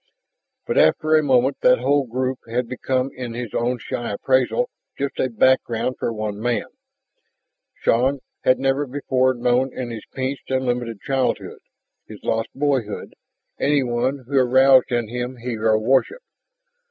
But after a moment that whole group had become in his own shy appraisal just a background for one man. Shann had never before known in his pinched and limited childhood, his lost boyhood, anyone who aroused in him hero worship.